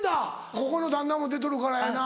ここの旦那も出とるからやな。